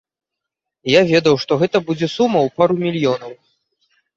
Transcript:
І я ведаў, што гэта будзе сума ў пару мільёнаў.